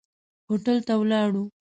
هوټل ته ولاړو.